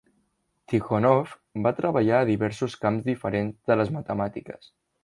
Tikhonov va treballar a diversos camps diferents de les matemàtiques.